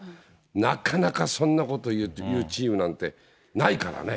なかなかそんなこと言うチームなんてないからね。